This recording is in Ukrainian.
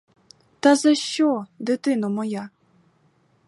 Та за що, дитино моя?